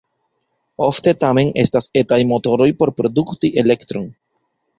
Ofte tamen estas etaj motoroj por produkti elektron.